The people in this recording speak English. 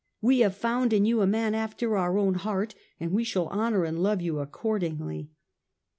We have found in you a man after our own heart and we shall honour and love you accordingly."